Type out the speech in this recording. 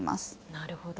なるほど。